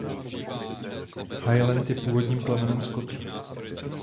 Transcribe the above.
Highland je původním plemenem skotu.